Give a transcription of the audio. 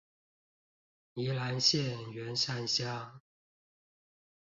宜蘭縣員山鄉